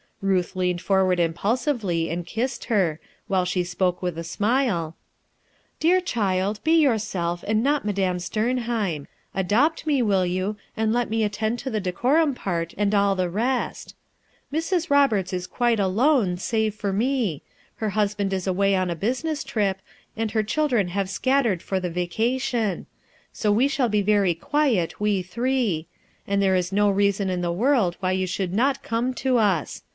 Ruth leaned forward impulsively and kissed her, while she spoke with a smile :— "Dear child, be yourself, and not Madame Sternheim. Adopt me, will you, and let me attend to the decorum part, and all the rest. Mrs. Roberta is quite alone, save for me; her husband is away on a business trip, and her children have scattered for the vacation; so we shall be very quiet, we three; and there is no reason in the world why you should not come to us.